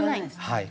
はい。